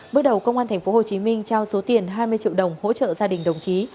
bước đầu công an tp hcm trao số tiền hai mươi triệu đồng hỗ trợ gia đình đồng chí